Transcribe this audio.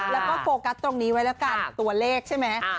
แล้วก็โฟกัสตรงนี้ไว้แล้วกันตัวเลขใช่ไหม